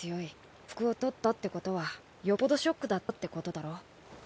不覚を取ったよっぽどショックだったってことだろ？